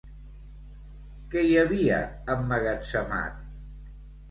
Què hi havia emmagatzemat?